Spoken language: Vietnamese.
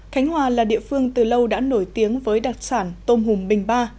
khánh hòa là địa phương từ lâu đã nổi tiếng với đặc sản tôm hùm bình ba